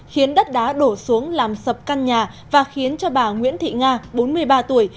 khiến đất đá đổ xuống làm sập căn nhà và khiến cho bà nguyễn thị nga bốn mươi ba tuổi